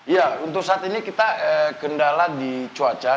ya untuk saat ini kita kendala di cuaca